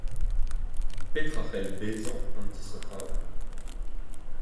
Petra c'hell bezañ an disoc'hoù ?